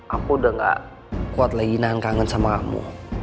aku udah gak kuat lagi nahan kangen sama kamu